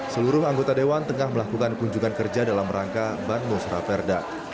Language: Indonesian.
seluruh anggota dewan tengah melakukan kunjungan kerja dalam rangka ban musra perda